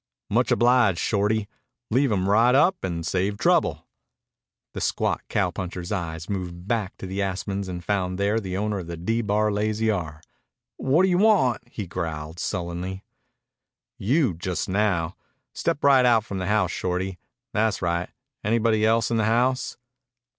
"Much obliged, Shorty. Leave 'em right up and save trouble." The squat cowpuncher's eyes moved back to the aspens and found there the owner of the D Bar Lazy R. "Wha'dya want?" he growled sullenly. "You just now. Step right out from the house, Shorty. Tha's right. Anybody else in the house?"